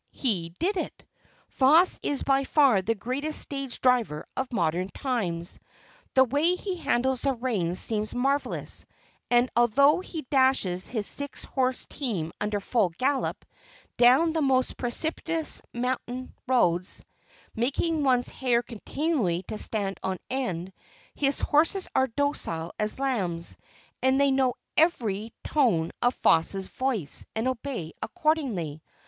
He did it! Foss is by far the greatest stage driver of modern times. The way he handles the reins seems marvellous; and although he dashes his six horse team, under full gallop, down the most precipitous mountain roads, making one's hair continually to stand on end, his horses are as docile as lambs, and they know every tone of Foss' voice and obey accordingly.